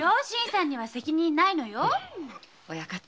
新さんには責任ないのよ。